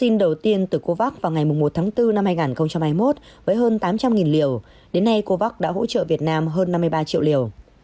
một tháng bốn năm hai nghìn hai mươi một với hơn tám trăm linh liều đến nay covax đã hỗ trợ việt nam hơn năm mươi ba triệu liều